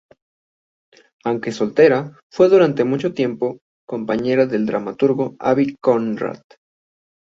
Aunque soltera, fue durante mucho tiempo compañera del dramaturgo Abby Conrad.